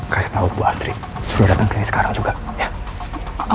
kasih tahu bu astri suruh datang ke sini sekarang juga ya